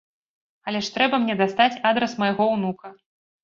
Але ж трэба мне дастаць адрас майго ўнука!